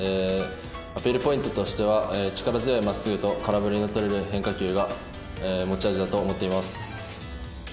アピールポイントとしては力強い真っすぐと空振りの取れる変化球が持ち味だと思っています。